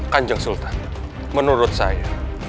kanjeng sultan menurut saya